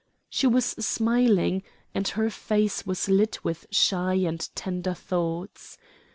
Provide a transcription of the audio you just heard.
She was smiling, and her face was lit with shy and tender thoughts.